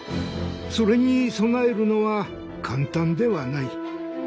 それに備えるのは簡単ではない。